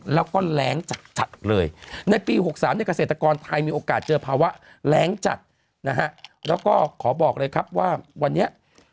แล้วก็แหลงจัดเลยในปี๖๓เกษตรกรไทยมีโอกาสเจอภาวะแรงจัดขอบอกเลยครับว่าวันนี้